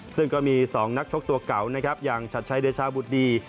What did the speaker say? ซึ่งก็มี๒นักชกตัวเก่าอย่างชัดใช้เดชาบุฏดี